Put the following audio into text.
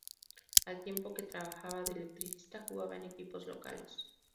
Al tiempo que trabajaba de electricista jugaba en equipos locales.